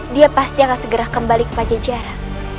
dia pasti akan segera kembali ke pajajara